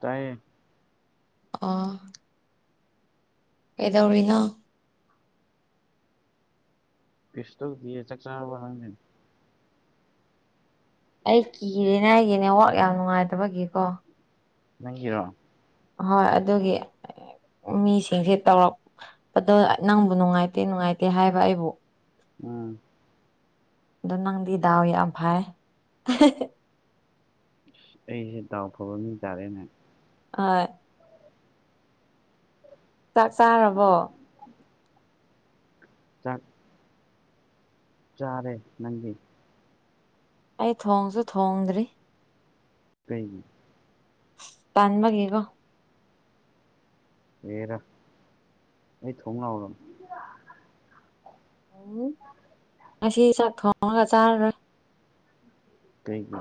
ꯇꯥꯏꯌꯦ ꯑꯥ ꯀꯩꯗꯧꯔꯤꯅꯣ ꯀꯩꯁꯨ ꯇꯧꯗꯤꯌꯦ ꯆꯥꯛ ꯆꯥꯔꯕ ꯅꯪꯗꯤ ꯑꯩ ꯀꯤꯔꯤꯅꯦꯒꯤ ꯅꯦꯠꯋꯥꯛ ꯌꯥꯝ ꯅꯨꯡꯉꯥꯏꯇꯕꯒꯤꯀꯣ ꯅꯪꯒꯤꯔꯣ ꯍꯣꯏ ꯑꯗꯨꯒꯤ ꯃꯤꯁꯤꯡꯁꯦ ꯇꯧꯔꯛꯄꯗꯣ ꯅꯪꯕꯨ ꯅꯨꯡꯉꯥꯏꯇꯦ ꯅꯨꯡꯉꯥꯏꯇꯦ ꯍꯥꯏꯕ ꯑꯩꯕꯨ ꯎꯝ ꯑꯗ ꯅꯪꯗꯤ ꯗꯥꯎ ꯌꯥꯝ ꯐꯥꯏ ꯑꯩꯖꯦ ꯗꯥꯎ ꯐꯕ ꯃꯤ ꯇꯥꯔꯦꯅꯦ ꯑꯥ ꯆꯥꯛ ꯆꯥꯔꯕꯣ ꯆꯠ ꯆꯥꯔꯦ ꯅꯪꯗꯤ ꯑꯩ ꯊꯣꯡꯁꯨ ꯊꯣꯡꯗ꯭ꯔꯤ ꯀꯩꯒꯤ ꯇꯥꯟꯕꯒꯤꯀꯣ ꯍꯦꯔꯥ ꯑꯩ ꯊꯣꯡ ꯂꯥꯛꯎꯔꯣ ꯎꯝ ꯉꯁꯤ ꯆꯥꯛ ꯊꯣꯡꯉꯒ ꯆꯥꯔꯔꯣꯏ ꯀꯩꯒꯤ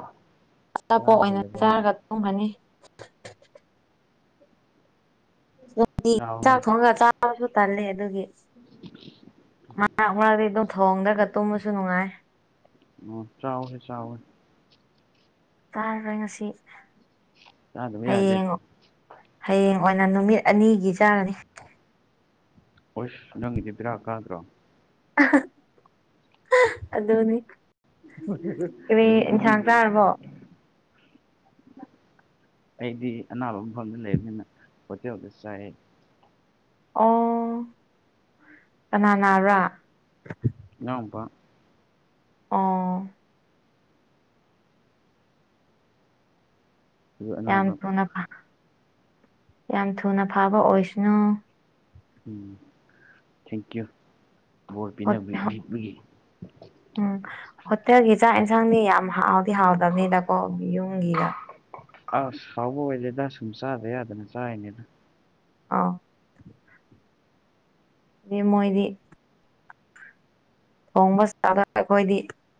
ꯑꯆꯥꯄꯣꯠ ꯆꯔꯥ ꯑꯣꯏꯅ ꯍꯦꯜꯂꯒꯦ ꯍꯥꯏꯔꯣ ꯆꯥꯔꯒ ꯇꯨꯝꯃꯅꯤ ꯗꯤ ꯆꯥꯎꯍꯦ ꯆꯥꯛ ꯊꯣꯡꯒ ꯆꯥꯕꯁꯨ ꯇꯜꯂꯦ ꯑꯗꯨꯒꯤ ꯃꯔꯛ ꯃꯔꯛꯗꯤ ꯑꯗꯨꯝ ꯊꯣꯡꯗ꯭ꯔꯒ ꯇꯨꯝꯕꯁꯨ ꯅꯨꯡꯉꯥꯏ ꯑꯣ ꯆꯥꯎꯕꯅꯦ ꯆꯥꯎꯕꯅꯦ ꯆꯥꯔꯔꯣꯏ ꯉꯁꯤ ꯆꯥꯗꯕ ꯌꯥꯗꯦ ꯍꯌꯦꯡ ꯍꯌꯦꯡ ꯑꯣꯏꯅ ꯅꯨꯃꯤꯠ ꯑꯅꯤꯒꯤ ꯆꯥꯔꯅꯤ ꯍꯣꯏꯁ ꯅꯪꯒꯤꯗꯤ ꯕꯦꯔꯥ ꯀꯥꯗ꯭ꯔꯣ [unintelligible] ꯑꯗꯨꯅꯤ ꯀꯔꯤ ꯅꯨꯃꯤꯠ ꯏꯟꯁꯥꯡ ꯅꯤꯅꯤꯒꯤ ꯆꯥꯔꯕꯣ ꯑꯩꯗꯤ ꯑꯅꯥꯕ ꯃꯐꯝꯗ ꯂꯩꯕꯅꯤꯅ ꯍꯣꯇꯦꯜꯗ ꯆꯥꯏ ꯑꯣ ꯀꯅꯥ ꯅꯥꯕ꯭ꯔꯥ ꯏꯅꯥꯎꯄꯥ ꯑꯥ ꯑꯗꯨ ꯌꯥꯝ ꯑꯅꯥꯕ ꯊꯨꯅ ꯐꯥ ꯌꯥꯝ ꯊꯨꯅ ꯐꯥꯕ ꯑꯣꯏꯁꯅꯨ ꯎꯝ ꯊꯦꯡꯀ꯭ꯌꯨ ꯕꯣꯔ ꯄꯤꯅ ꯍꯣꯠ ꯍꯣꯠ ꯄꯤꯕꯒꯤ ꯎꯝ ꯍꯣꯇꯦꯜꯒꯤ ꯆꯥꯛ ꯌꯦꯟꯁꯥꯡꯗꯤ ꯌꯥꯝ ꯍꯥꯎꯗꯤ ꯍꯥꯎꯗꯕꯅꯤꯗꯀꯣ ꯌꯨꯝꯒꯤꯒ ꯑꯁ ꯍꯥꯎꯕ ꯑꯣꯏꯗꯦꯗ ꯁꯨꯝ ꯆꯥꯗ ꯌꯥꯗꯅ ꯆꯥꯔꯤꯅꯤꯗ ꯑꯥꯎ ꯗꯤ ꯃꯣꯏꯗꯤ ꯊꯣꯡꯕ ꯁ꯭ꯇꯥꯏꯜꯗ ꯑꯩꯈꯣꯏꯗꯤ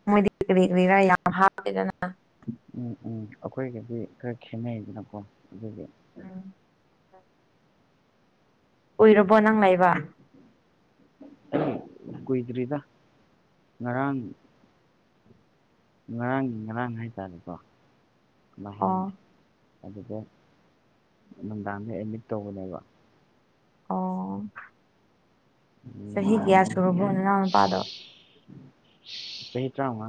ꯃꯣꯏꯗꯤ ꯀꯔꯤ ꯀꯔꯤꯔꯥ ꯌꯥꯝ ꯍꯥꯞꯄꯦꯗꯅ ꯎꯝ ꯎꯝ ꯑꯩꯈꯣꯏꯒꯗꯤ ꯈꯔ ꯈꯦꯠꯅꯩꯗꯅꯀꯣ ꯑꯗꯨꯗꯤ ꯎꯝ ꯎꯢꯔꯕꯣ ꯅꯪ ꯂꯩꯕ ꯀꯨꯏꯗ꯭ꯔꯤꯗ ꯉꯔꯥꯡ ꯉꯔꯥꯡꯒꯤ ꯉꯔꯥꯡ ꯍꯥꯏꯇꯥꯔꯦꯀꯣ ꯅꯍꯥꯟ ꯑꯣ ꯑꯗꯨꯗ ꯅꯨꯡꯗꯥꯡꯗ ꯑꯦꯗꯃꯤꯠ ꯇꯧꯕꯅꯦꯕ ꯑꯣ ꯆꯍꯤ ꯀꯌꯥ ꯁꯨꯔꯕꯣ ꯅꯅꯥꯎ ꯅꯨꯄꯥꯗꯣ ꯁꯍꯤ ꯇꯔꯥꯎꯉꯥ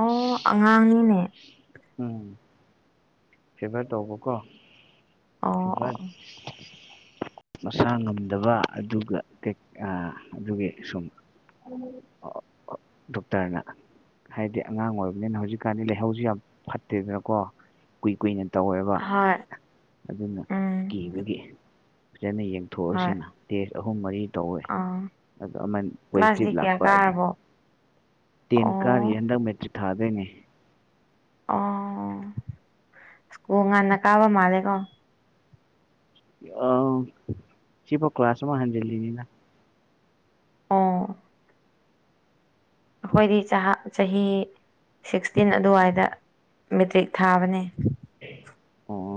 ꯑꯣ ꯑꯉꯥꯡꯅꯤꯅꯦ ꯎꯝ ꯐꯤꯚꯔ ꯇꯧꯕꯀꯣ ꯑꯣ ꯑꯣ ꯐꯤꯚꯔ ꯃꯁꯥ ꯉꯝꯗꯕ ꯑꯗꯨꯒ ꯑꯥ ꯑꯗꯨꯒꯤ ꯁꯨꯝ ꯗꯣꯛꯇꯔꯅ ꯍꯥꯏꯗꯤ ꯑꯉꯥꯡ ꯑꯣꯏꯔꯕꯅꯤꯅ ꯍꯧꯖꯤꯛꯀꯥꯟꯗꯤ ꯂꯩꯍꯧꯁꯤ ꯌꯥꯝ ꯐꯠꯇꯦꯗꯅꯀꯣ ꯀꯨꯏ ꯀꯨꯏꯅ ꯇꯧꯋꯦꯕ ꯍꯣꯏ ꯑꯗꯨꯅ ꯎꯝ ꯀꯤꯕꯒꯤ ꯐꯖꯅ ꯌꯦꯡ ꯄꯨ ꯍꯣꯏ ꯊꯣꯛꯑꯁꯤꯅ ꯇꯦꯁ ꯑꯍꯨꯝ ꯃꯔꯤ ꯇꯧꯋꯦ ꯑꯥ ꯑꯗꯣ ꯑꯃ ꯄꯣꯖꯤꯇꯤꯚ ꯀ꯭ꯂꯥꯁꯇꯤ ꯀꯌꯥ ꯂꯥꯛꯄ ꯑꯗ ꯀꯥꯔꯕꯣ ꯇꯦꯟ ꯀꯥꯔꯤ ꯑꯣ ꯍꯟꯗꯛ ꯃꯦꯇ꯭ꯔꯤꯛ ꯊꯥꯗꯣꯏꯅꯦ ꯑꯣ ꯁꯀꯨꯜ ꯉꯥꯟꯅ ꯀꯥꯕ ꯃꯥꯜꯂꯦꯀꯣ ꯑ ꯁꯤꯐꯧ ꯀ꯭ꯂꯥꯁ ꯃꯥ ꯍꯥꯟꯖꯦꯜꯂꯤꯅꯤꯅ ꯑꯣ ꯑꯩꯈꯣꯏꯗꯤ ꯆꯥꯛ ꯆꯍꯤ ꯁꯤꯛꯁꯇꯤꯟ ꯑꯗꯨꯋꯥꯏꯗ ꯃꯦꯇ꯭ꯔꯤꯛ ꯊꯥꯕꯅꯦ ꯑꯣ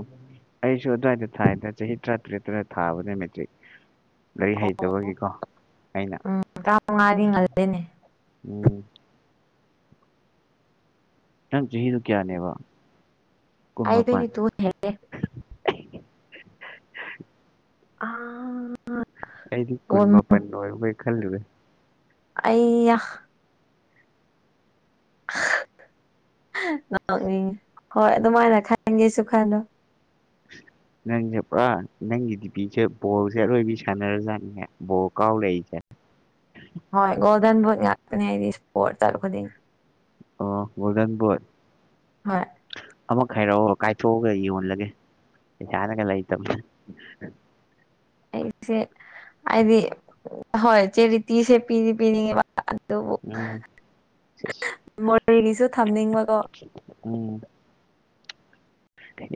ꯑꯩꯁꯨ ꯑꯗꯨꯋꯥꯏꯗ ꯊꯥꯏꯗꯅ ꯆꯍꯤ ꯇꯔꯥ ꯇꯔꯦꯠ ꯇꯔ ꯊꯥꯕꯅꯦ ꯃꯦꯇꯔꯤꯛ ꯂꯥꯢꯔꯤꯛ ꯍꯩꯇꯕꯒꯤꯀꯣ ꯑꯩꯅ ꯎꯝ ꯇꯔꯥꯃꯉꯥꯗꯤ ꯉꯜꯂꯦꯅꯦ ꯎꯝ ꯅꯪ ꯆꯍꯤꯗꯨ ꯀꯌꯥꯅꯦꯕ ꯀꯨꯟ ꯃꯥꯄꯟ [unintelligible] ꯑꯥ ꯑꯩꯗꯤ ꯀꯨꯟꯃ ꯑꯣꯜꯃꯣ ꯃꯄꯟ ꯑꯣꯏꯔꯕꯣꯢ ꯈꯜꯂꯨꯔꯦ ꯑꯩꯌꯥ ꯅꯣꯛꯅꯤꯡꯉꯤ ꯍꯣꯏ ꯑꯗꯨꯃꯥꯏꯅ ꯈꯟꯒꯦꯁꯨ ꯈꯜꯂꯣ [unintelligible] ꯅꯪꯁꯦ ꯄꯨꯔꯥ ꯅꯪꯒꯤ ꯗꯤꯄꯤꯁꯦ ꯕꯣꯜꯁꯦ ꯑꯔꯣꯏꯕꯤ ꯁꯥꯟꯅꯔꯖꯥꯠꯅꯤꯍꯦ ꯕꯣꯜ ꯀꯥꯎꯔꯛꯢꯁꯦ ꯍꯣꯏ ꯒꯣꯜꯗꯟ ꯚꯨꯠ ꯉꯥꯛꯇꯅꯦ ꯍꯥꯏꯗꯤ ꯏꯁꯄꯣꯔꯠ ꯆꯠ ꯈꯨꯗꯤꯡ ꯑꯣ ꯒꯣꯜꯗꯟ ꯚꯨꯠ ꯍꯣꯏ ꯑꯃ ꯈꯥꯏꯔꯛꯑꯣ ꯀꯥꯏꯊꯣꯛꯑꯒ ꯌꯣꯜꯂꯒꯦ ꯄꯩꯁꯥꯅꯒ ꯂꯩꯇꯕꯅꯦ ꯑꯩꯁꯦ ꯍꯥꯏꯗꯤ ꯍꯣꯏ ꯆꯦꯔꯤꯇꯤꯁꯦ ꯄꯤꯗꯤ ꯄꯤꯅꯤꯡꯉꯦꯕ ꯑꯗꯨꯕꯨ ꯎꯝ ꯁꯤꯁ ꯃꯣꯔꯦꯒꯤꯁꯨ ꯊꯝꯅꯤꯡꯕꯀꯣ ꯎꯝ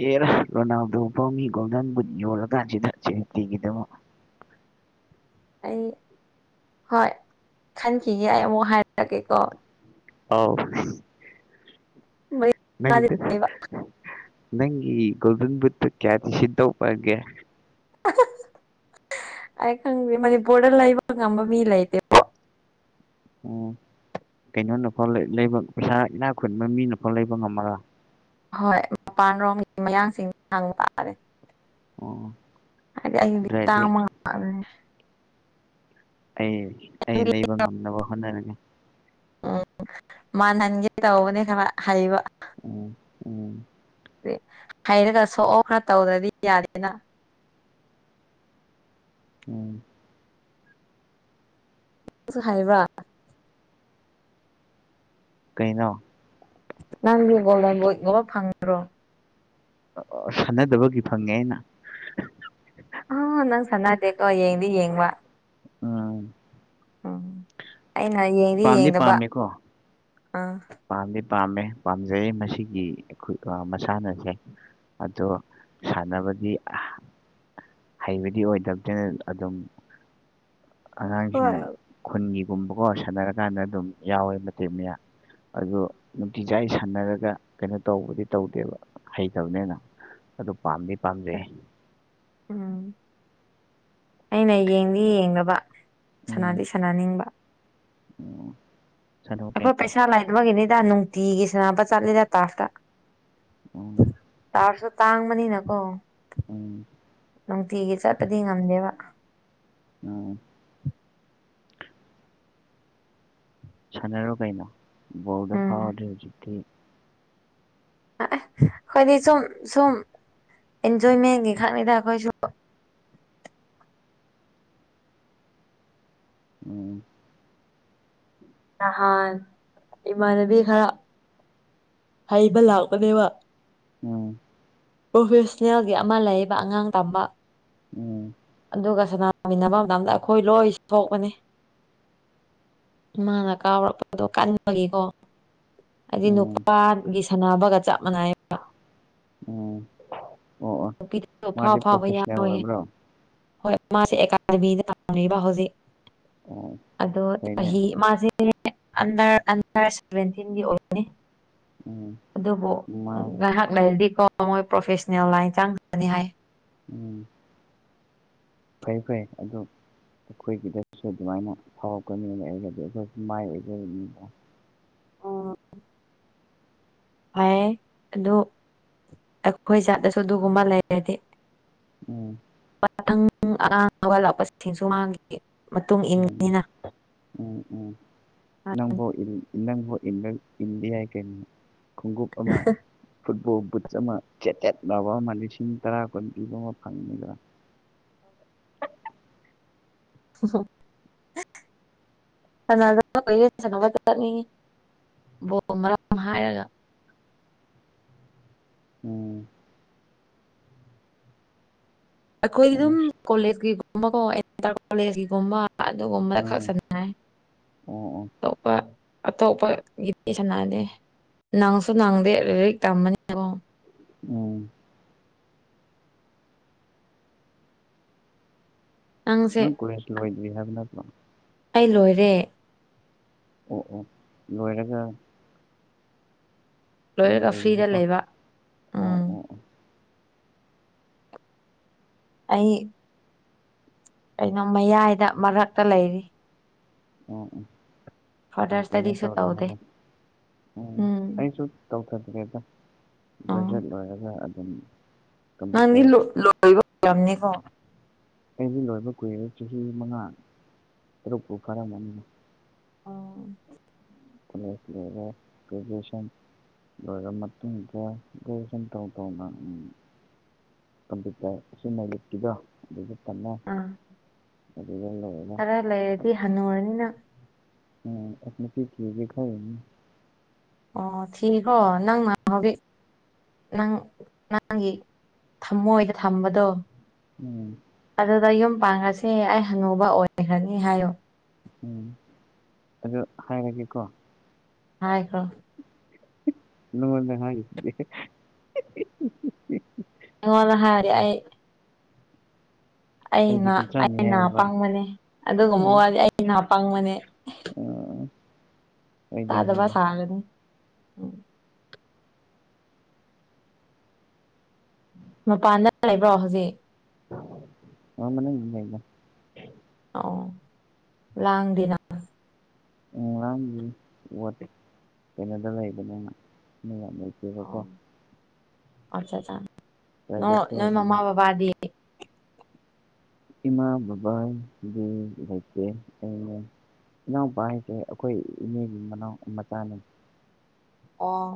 ꯑꯦꯔ ꯔꯣꯅꯥꯜꯗꯣ ꯐꯥꯎꯒꯤ ꯒꯣꯜꯗꯟ ꯕꯨꯠ ꯌꯣꯜꯂꯒꯀꯥꯟꯁꯤꯇꯥ ꯆꯦꯔꯤ ꯄꯤꯒꯤꯗꯃꯛ ꯑꯩ ꯍꯣꯏ ꯈꯟꯈꯤꯒꯦ ꯑꯩ ꯑꯃꯨꯛ ꯍꯥꯏꯔꯛꯀꯦꯀꯣ ꯑꯥꯎ ꯅꯪ ꯂꯩꯕ ꯅꯪꯒꯤ ꯒꯣꯜꯗꯟ ꯕꯨꯠꯇ ꯀꯌꯥꯗꯤ ꯁꯤꯠꯇꯧ ꯃꯥꯟꯒꯦ ꯑꯩ ꯈꯪꯗꯦ ꯃꯅꯤꯄꯨꯔꯗ ꯂꯩꯕ ꯉꯝꯕ ꯃꯤ ꯂꯩꯇꯦ ꯎꯝ ꯀꯩꯅꯣꯅꯐꯥꯎ ꯂꯩꯕ ꯄꯩꯁꯥ ꯏꯅꯥꯛ ꯈꯨꯟꯕ ꯃꯤꯅꯐꯥꯎ ꯂꯩꯕ ꯉꯝꯃꯔꯣꯢ ꯍꯣꯏ ꯃꯄꯥꯟ ꯔꯣꯝꯒꯤ ꯃꯌꯥꯡꯁꯤꯡ ꯍꯪꯕ ꯇꯥꯔꯦ ꯑꯣ ꯍꯥꯏꯗꯤ ꯑꯩꯗꯤ ꯑꯗꯨ ꯑꯣꯏꯔꯗꯤ ꯇꯥꯡꯕ ꯑꯩ ꯑꯩ ꯂꯩꯕ ꯉꯝꯅꯕ ꯍꯣꯠꯅꯔꯒꯦ ꯎꯝ ꯃꯟꯍꯟꯒꯦ ꯇꯧꯕꯅꯦ ꯈꯔ ꯍꯩꯕ ꯎꯝ ꯎꯝ ꯍꯩꯔꯒ ꯁꯣꯛꯑꯣ ꯈꯔ ꯇꯧꯗ꯭ꯔꯗꯤ ꯌꯥꯗꯦꯅ ꯎꯝ ꯍꯥꯏꯕ꯭ꯔꯥ ꯀꯩꯩꯅꯣ ꯅꯪꯒꯤꯡꯒꯣꯗꯕ ꯏꯒꯕ ꯐꯪꯉ꯭ꯔꯣ ꯁꯥꯟꯅꯗꯕꯒꯤ ꯐꯪꯉꯦ ꯑꯩꯅ ꯑ ꯅꯪ ꯁꯅꯥꯗꯦꯀꯣ ꯌꯦꯡꯗꯤ ꯌꯦꯡꯋꯥ ꯑꯥ ꯎꯝ ꯑꯩꯅ ꯌꯦꯡꯗꯤ ꯄꯥꯝꯗꯤ ꯌꯦꯡꯅꯕ ꯄꯥꯝꯃꯦꯀꯣ ꯑꯥ ꯄꯥꯝꯗꯤ ꯄꯥꯝꯃꯦ ꯄꯥꯝꯖꯩ ꯃꯁꯤꯒꯤ ꯑꯩꯈꯣꯏ ꯃꯁꯥꯟꯅꯁꯦ ꯑꯗꯣ ꯁꯥꯟꯅꯕꯒꯤ ꯍꯩꯕꯗꯤ ꯑꯣꯏꯗꯕꯗꯅ ꯑꯗꯨꯝ ꯍꯣꯏ ꯑꯉꯥꯡꯁꯤꯡ ꯈꯨꯟꯒꯤꯒꯨꯝꯕꯀꯣ ꯁꯥꯟꯅꯔꯀꯥꯟꯗ ꯑꯗꯨꯝ ꯌꯥꯎꯋꯦ ꯃꯇꯦꯛ ꯃꯌꯥ ꯑꯗꯨꯣ ꯅꯨꯡꯇꯤꯖ ꯑꯩ ꯁꯥꯟꯅꯔꯒ ꯀꯩꯅꯣ ꯇꯧꯕꯗꯤ ꯇꯧꯗꯦꯕ ꯍꯩꯇꯕꯅꯦꯅ ꯑꯗꯨ ꯄꯥꯝꯗꯤ ꯄꯥꯝꯖꯩ ꯎꯝ ꯑꯩꯅ ꯌꯦꯡꯗꯤ ꯌꯦꯡꯂꯕ ꯁꯅꯥꯗꯤ ꯁꯥꯟꯅꯅꯤꯡꯕ ꯑꯣ ꯑꯩꯈꯣꯏ ꯄꯩꯁꯥ ꯂꯩꯅꯕꯒꯤꯅꯤꯗ ꯅꯨꯡꯇꯤꯒꯤ ꯁꯅꯕ ꯆꯠꯂꯤꯗ ꯇꯥꯐꯇ ꯎꯝ ꯇꯥꯔꯁꯨ ꯇꯥꯡꯕꯅꯤꯅꯀꯣ ꯎꯝ ꯅꯨꯡꯇꯤꯒꯤ ꯆꯠꯄꯗꯤ ꯉꯝꯗꯦꯕ ꯑꯥ ꯁꯥꯟꯅꯔꯣ ꯀꯩꯅꯣ ꯕꯣꯔꯗ ꯎꯝ ꯐꯥꯎꯔꯗꯤꯗꯤ ꯍꯧꯖꯤꯛꯇꯤ ꯑꯩꯈꯣꯏꯗꯤ ꯁꯨꯝ ꯁꯨꯝ ꯑꯦꯟꯖꯣꯏꯃꯦꯟꯒꯤ ꯈꯛꯅꯤꯗ ꯑꯩꯈꯣꯏꯁꯨ ꯎꯝ ꯅꯍꯥꯟ ꯏꯃꯥꯟꯅꯕꯤ ꯈꯔ ꯍꯩꯕ ꯂꯥꯛꯄꯅꯦꯕ ꯎꯝ ꯄ꯭ꯔꯣꯐꯦꯁꯅꯦꯜꯒꯤ ꯑꯃ ꯂꯩꯕ ꯑꯉꯥꯡ ꯇꯝꯕ ꯑꯣ ꯑꯗꯨꯒ ꯁꯅꯃꯤꯟꯅꯕ ꯃꯇꯝꯗ ꯑꯩꯈꯣꯏ ꯂꯣꯏ ꯁꯣꯛꯄꯅꯤ ꯏꯃꯥꯅ ꯀꯥꯎꯔꯛꯄꯗꯣ ꯀꯟꯕꯒꯤꯀꯣ ꯍꯥꯏꯗꯤ ꯎꯝ ꯅꯨꯄꯥꯒꯤ ꯁꯥꯟꯅꯕꯒ ꯆꯞ ꯃꯥꯟꯅꯏ ꯎꯝ ꯑꯣ ꯅꯨꯄꯤꯗꯁꯨ ꯐꯥꯎ ꯃꯥꯗꯤ ꯐꯥꯎꯕ ꯄ꯭ꯔꯣꯐꯦꯁꯅꯦꯜ ꯌꯥꯎꯋꯦ ꯑꯣꯏꯕ꯭ꯔꯣ ꯍꯣꯏ ꯃꯥꯁꯤꯦ ꯑꯦꯀꯥꯗꯃꯤꯗꯝꯕ ꯍꯧꯖꯤꯛ ꯑꯣ ꯑꯗꯣ ꯐꯩꯅꯦ ꯆꯍꯤ ꯃꯥꯁꯦ ꯑꯟꯗ ꯑꯟꯗꯔ ꯁꯚꯦꯟꯇꯤꯟꯒꯤ ꯑꯣꯏ ꯎꯝ ꯑꯗꯨꯕꯨ ꯃꯥ ꯉꯥꯏꯍꯥꯛ ꯂꯩꯥꯏꯔꯗꯤꯀꯣ ꯃꯣꯏ ꯄ꯭ꯔꯣꯐꯦꯁ ꯂꯥꯏꯟ ꯆꯪꯕꯅꯤ ꯍꯥꯏ ꯎꯝ ꯐꯩ ꯐꯩ ꯑꯗꯨ ꯑꯩꯈꯣꯏꯒꯤꯗꯁꯨ ꯑꯗꯨꯃꯥꯏꯅ ꯊꯥꯎꯔꯛꯄꯅꯤ ꯂꯩꯔꯒꯗꯤ ꯑꯩꯈꯣꯏ ꯃꯥꯏ ꯑꯣꯏꯖꯕꯅꯤꯗ ꯐ ꯑꯗꯨ ꯑꯩꯈꯣꯏ ꯖꯥꯠꯇꯁꯨ ꯑꯗꯨꯒꯨꯝꯕ ꯂꯩꯔꯗꯤ ꯎꯝ ꯄꯇꯪ ꯑ ꯋꯥ ꯂꯥꯛꯄꯁꯨꯡꯈꯤ ꯎꯝ ꯎꯝ ꯎꯝ ꯅꯪꯕꯣ ꯏ ꯅꯪꯕꯨ ꯏꯟꯗꯤꯌꯥ ꯀꯩꯅꯣ ꯈꯣꯡꯎꯞ ꯑꯃ ꯐꯨꯠꯕꯣꯜ ꯕꯨꯠꯁ ꯑꯃ ꯆꯦꯇꯦꯠ ꯂꯥꯎꯕ ꯑꯃ ꯂꯤꯁꯤꯡ ꯇꯔꯥ ꯀꯨꯟ ꯄꯤꯕ ꯑꯃ ꯐꯪꯅꯤꯗ꯭ꯔꯥ [unintelligible] ꯕꯣ ꯃꯔꯝ ꯍꯥꯏꯔꯒ ꯎꯝ ꯑꯩꯈꯣꯏ ꯑꯗꯨꯝ ꯑꯃꯨꯛ ꯀꯣꯂꯦꯖꯀꯤꯒꯨꯝꯕ ꯀꯣ ꯀꯣꯂꯦꯒꯨꯝꯕ ꯑꯗꯨꯒꯨꯝꯕꯗ ꯈꯛ ꯎꯝ ꯁꯟꯅꯥꯏ ꯑꯣ ꯑꯣ ꯑꯇꯣꯞꯄ ꯑꯇꯣꯞꯄꯒꯤꯗꯤ ꯁꯥꯟꯅꯗꯦ ꯅꯪꯁꯨ ꯅꯪꯗꯦ ꯂꯥꯏꯔꯤꯛ ꯇꯝꯕꯅꯤꯀꯣ ꯑꯣ ꯅꯪꯁꯦ ꯅꯪ ꯀꯣꯂꯦꯁ ꯂꯣꯏꯗ ꯍꯥꯏꯕꯅꯣ ꯑꯩ ꯂꯣꯏꯔꯦ ꯑꯣ ꯑꯣ ꯂꯣꯏꯔꯒ ꯑꯗꯨꯝ ꯂꯣꯏꯔꯒ ꯐ꯭ꯔꯤꯗ ꯂꯩꯅꯤꯕꯀꯣ ꯂꯩꯕ ꯑꯣ ꯎꯝ ꯑꯣ ꯑꯣ ꯑꯩ ꯀꯩꯅꯣ ꯃꯌꯥꯏꯗ ꯃꯔꯛꯇ ꯂꯩꯔꯤ ꯎꯝ ꯎꯝ ꯐꯔꯗꯔ ꯀꯩꯅ ꯏꯁꯇꯗꯤꯁꯨ ꯇꯧꯔꯦ ꯇꯧꯗꯦ ꯍꯥꯏꯕ ꯎꯝ ꯑꯩꯁꯨ ꯇꯧꯊꯗꯦꯗ ꯑꯣ ꯒ꯭ꯔꯦꯖꯨꯋꯦꯠ ꯂꯣꯏꯔꯒ ꯑꯗꯨꯝ ꯅꯪꯗꯤ ꯀꯝꯄ꯭ꯌꯨꯇꯔ ꯂꯣꯏꯕꯅꯤꯀꯣ ꯑꯩꯗꯤ ꯂꯣꯏꯕ ꯀꯨꯏꯔꯦ ꯆꯍꯤ ꯃꯉꯥ ꯇꯔꯨꯛꯄꯨ ꯐꯔꯝꯃꯥꯅꯤꯗ ꯎꯝ ꯀꯣꯂꯦꯖ ꯂꯣꯏꯔꯣ ꯒꯔ꯭ꯦꯗꯖꯋꯦꯁꯟ ꯂꯣꯏꯔꯕ ꯃꯇꯨꯡꯗ ꯒ꯭ꯔꯦꯖꯦꯁꯟ ꯇꯧ ꯇꯧꯅ ꯀꯝꯄ꯭ꯌꯨꯇꯔ ꯑꯁꯤ ꯅꯩ ꯂꯤꯠ ꯀꯤꯗꯣ ꯑꯗꯨꯗ ꯇꯝꯃꯦ ꯑꯥ ꯑꯗꯨꯒ ꯂꯣꯏꯔꯅ ꯗꯨꯗꯤ ꯍꯥꯅꯨꯔꯥꯅꯤ ꯎꯝ ꯅꯨꯄꯤ ꯊꯤꯒꯦ ꯈꯜꯂꯤꯕ ꯑꯣ ꯊꯤꯒꯔꯣ ꯅꯡ ꯅꯥ ꯍꯧꯖꯤꯛ ꯅꯪ ꯅꯪꯒꯤ ꯊꯝꯃꯣꯏꯗ ꯊꯝꯕꯗꯣ ꯎꯝ ꯑꯗꯨꯗ ꯌꯨꯝ ꯄꯥꯡꯉꯁꯦ ꯑꯩ ꯍꯥꯅꯨꯕ ꯑꯣꯏꯈ꯭ꯔꯅꯤ ꯍꯥꯏꯌꯨ ꯎꯝ ꯑꯗꯨ ꯍꯥꯏꯔꯒꯦꯀꯣ ꯍꯥꯏꯈ꯭ꯔꯣ ꯅꯡꯉꯣꯟꯗꯥ ꯍꯥꯏꯒꯦ ꯑꯩꯉꯣꯟꯅ ꯍꯥꯏꯔꯗ ꯑꯩ ꯑꯩꯅ ꯑꯩꯗꯤ ꯅꯥ ꯑꯩ ꯀꯨꯟꯊ꯭ꯔꯥꯅꯤ ꯅꯥ ꯍꯥꯏꯌꯦꯕ ꯄꯪꯕꯅꯤ ꯑꯗꯨꯒꯨꯝꯕ ꯎꯝ ꯋꯥꯗꯤ ꯑꯩ ꯅꯥ ꯄꯪꯕꯅꯤ ꯑꯥ, ꯍꯣꯏꯗ ꯇꯥꯗꯕ ꯍꯣꯏꯗ ꯁꯒꯅꯤ ꯎꯝ ꯃꯄꯥꯟꯗ ꯂꯩꯕ꯭ꯔꯣ ꯍꯧꯖꯤꯛ ꯃꯅꯨꯡꯗ ꯂꯩꯗ ꯑꯥꯎ ꯂꯥꯡꯗꯦꯅ ꯅꯪꯒꯤ ꯋꯥꯠ ꯀꯩꯅꯣꯗ ꯂꯩꯕꯅꯤꯅ ꯃꯤ ꯌꯥꯝ ꯂꯩꯇꯦꯕꯀꯣ ꯑꯆꯥ ꯆꯥ ꯅꯪ ꯄ꯭ꯔꯥꯏꯚꯦꯠꯇ ꯅꯣꯏ ꯑꯣꯏꯕꯅꯦ ꯃꯃꯥ ꯕꯥꯕꯗꯤ ꯏꯃꯥ ꯕꯥꯕꯗꯤ ꯂꯩꯇꯦ ꯏꯅꯥꯎꯄꯥ ꯍꯥꯏꯁꯦ ꯑꯩꯈꯣꯏ ꯏꯅꯑꯦꯒꯤ ꯃꯅꯥꯎ ꯃꯆꯥꯅꯤ ꯑꯣ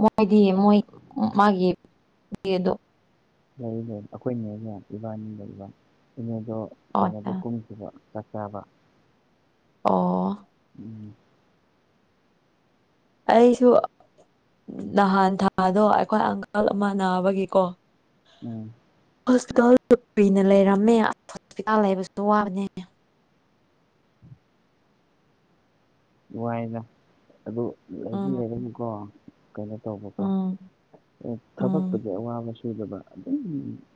ꯃꯣꯏꯗꯤ ꯃꯣꯏ ꯃꯥꯒꯤ [unintelligible] ꯂꯩꯔꯤꯕ ꯑꯩꯈꯣꯏꯅꯦꯅꯦ ꯏꯕꯥꯅꯤ ꯂꯩꯕ ꯏꯅꯦꯗꯣ ꯑꯣ ꯀꯩꯅꯣꯗ ꯀꯨꯝ ꯀꯨꯝꯒꯤꯕ ꯆꯥꯛ ꯆꯥꯕꯥ ꯑꯣ ꯎꯝ ꯑꯩꯁꯨ ꯅꯍꯥꯟ ꯊꯥꯗꯣ ꯑꯩꯈꯣꯏ ꯑꯪꯀꯜ ꯑꯃ ꯅꯥꯕꯒꯤꯀꯣ ꯎꯝ ꯍꯣꯁꯄꯤꯇꯥꯜ ꯀꯨꯏꯅ ꯂꯩꯔꯝꯃꯦ ꯑ ꯍꯣꯁꯄꯤꯇꯥꯜ ꯂꯩꯕꯁꯨ ꯋꯥꯕꯅꯦ ꯋꯥꯏꯗ ꯑꯗꯨ ꯂꯩꯗꯤ ꯎꯝ ꯂꯩꯔꯗꯤ ꯀꯣ ꯀꯩꯅꯣ ꯇꯧꯕꯀꯣ ꯎꯝ ꯑꯣ ꯎꯝ ꯊꯕꯛꯄꯨꯗꯤ ꯑꯋꯥꯕꯁꯨ ꯁꯨꯗꯕ ꯑꯗꯨꯝ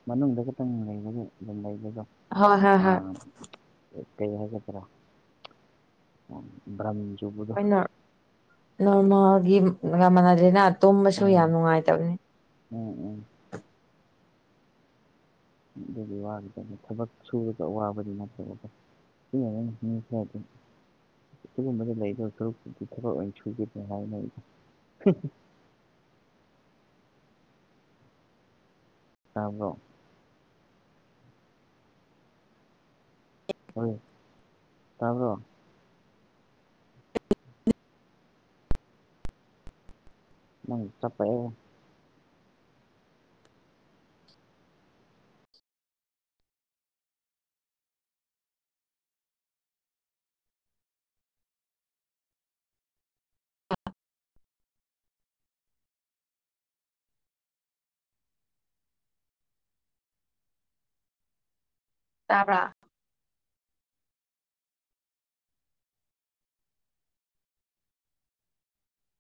ꯃꯅꯨꯡꯗ ꯈꯥꯇꯪ ꯂꯩꯕꯒꯤ ꯑꯗꯨꯝ ꯂꯩꯕꯒ ꯍꯣꯏ ꯍꯣꯏ ꯍꯣꯏ ꯑꯥ ꯀꯩ ꯀꯩ ꯍꯥꯏꯒꯗꯔꯥ [unintelligible] ꯍꯣꯏ ꯅꯣꯔꯃꯦꯜꯒꯤꯒ ꯃꯥꯟꯅꯗꯦꯅꯥ ꯇꯨꯝꯕꯁꯨ ꯎꯝ ꯌꯥꯝ ꯅꯨꯡꯉꯥꯏꯇꯕꯅꯦ ꯎꯝ ꯎꯝ ꯑꯗꯨꯒꯤ ꯋꯥꯒꯤꯗꯅꯤ ꯊꯕꯛ ꯁꯨꯨꯔꯒ ꯑꯋꯥꯕꯗꯤ ꯅꯠꯇꯦꯕꯀꯣ [unintelligible] ꯁꯤꯒꯨꯝꯕꯗ ꯂꯩꯗꯧ ꯁꯔꯨꯛꯄꯨꯗꯤ ꯊꯕꯛ ꯑꯣꯏꯅ ꯁꯨꯒꯦꯗꯤ ꯍꯥꯏꯅ ꯑꯩꯗꯤ ꯇꯥꯕ꯭ꯔꯣ ꯍꯣꯏ ꯇꯥꯕ꯭ꯔꯣ ꯅꯪꯒꯤ ꯆꯞꯄꯛꯑꯦꯍꯦ ꯇꯥꯕ꯭ꯔꯥ